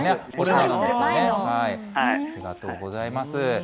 ありがとうございます。